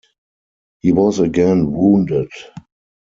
He was again wounded.